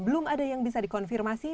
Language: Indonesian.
belum ada yang bisa dikonfirmasi